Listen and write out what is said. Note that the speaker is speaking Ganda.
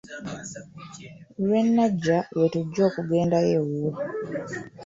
Lwe nnajja lwe tujja okugendayo ewuwe.